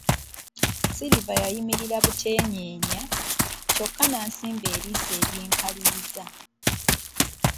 Silver yayimirira buteenyeenya, kyokka n'abasimba eriiso ery'enkaliriza.